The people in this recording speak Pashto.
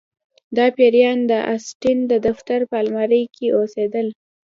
دا پیریان د اسټین د دفتر په المارۍ کې اوسیدل